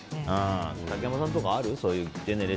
竹山さんとかある？